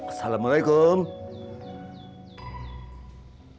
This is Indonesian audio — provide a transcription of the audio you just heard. kayak security ada wenig undertake